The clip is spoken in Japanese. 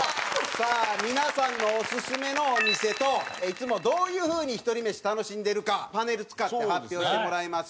さあ皆さんのオススメのお店といつもどういう風にひとり飯楽しんでるかパネル使って発表してもらいます。